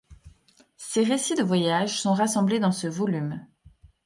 Ces récits de voyages sont rassemblés dans ce volume.